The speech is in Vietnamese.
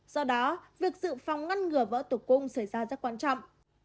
do đó việc dự phòng ngăn ngừa vỡ tục cung xảy ra rất quan trọng